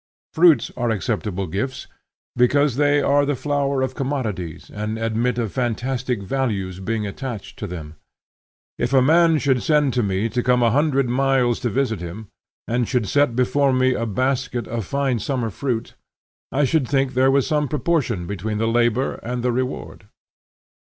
Fruits are acceptable gifts, because they are the flower of commodities, and admit of fantastic values being attached to them. If a man should send to me to come a hundred miles to visit him and should set before me a basket of fine summer fruit, I should think there was some proportion between the labor and the reward.